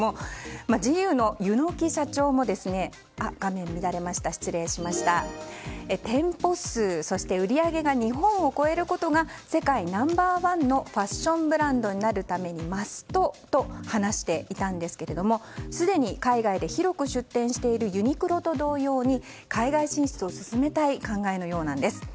ＧＵの柚木社長も店舗数、売り上げが日本を超えることが世界ナンバー１のファッションブランドになるためにマストと話していたんですがすでに海外で広く出店しているユニクロと同様に海外進出を進めたい考えのようなんです。